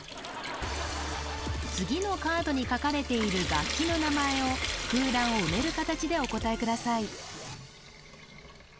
次のカードに書かれている楽器の名前を空欄を埋める形でお答えください